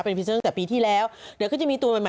เป็นอันนึงแต่ปีที่แล้วเดี๋ยวก็จะมีตัวใหม่